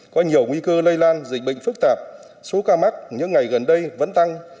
có nhiều nguy cơ lây lan dịch bệnh phức tạp số ca mắc những ngày gần đây vẫn tăng